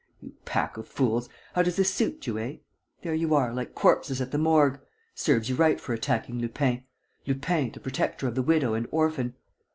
... You pack of fools, how does this suit you, eh? There you are, like corpses at the Morgue. ... Serves you right for attacking Lupin, Lupin the protector of the widow and orphan!